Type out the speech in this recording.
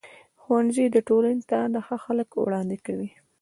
ښوونځی ټولنې ته ښه خلک وړاندې کوي.